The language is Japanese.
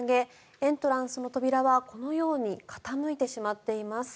エントランスの扉はこのように傾いてしまっています。